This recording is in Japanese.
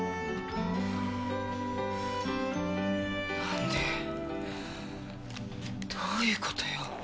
何でどういう事よ。